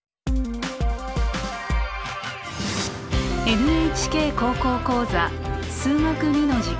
「ＮＨＫ高校講座数学Ⅱ」の時間です。